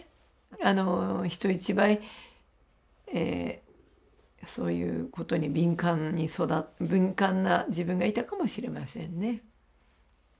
あの人一倍そういうことに敏感な自分がいたかもしれませんね。